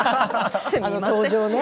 あの登場ね。